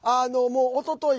おととい